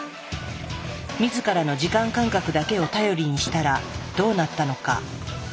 自らの時間感覚だけを頼りにしたらどうなったのか。